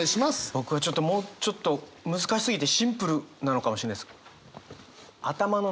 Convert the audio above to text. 僕はちょっともうちょっと難しすぎてシンプルなのかもしれないです。